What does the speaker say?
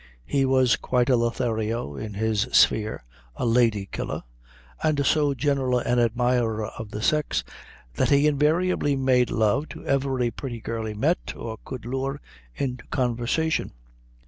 He was quite a Lothario in his sphere a lady killer and so general an admirer of the sex, that he invariably made I love to every pretty girl he met, or could lure into conversation.